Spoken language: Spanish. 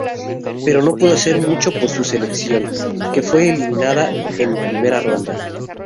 Pero no pudo hacer mucho por su selección, que fue eliminada en primera ronda.